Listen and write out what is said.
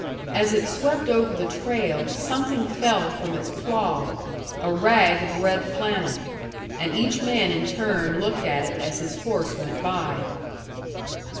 As it swept over the trail, something fell from its claw, a rag of red flannel; and each man in turn looked at it as his horse went by.